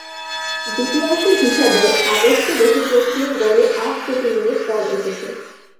বিটিআরসির হিসাবে আগস্টে দেশে প্রতিদিন গড়ে আট কোটি মিনিট কল এসেছে।